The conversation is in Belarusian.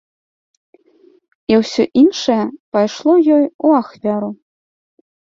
І ўсё іншае пайшло ёй у ахвяру.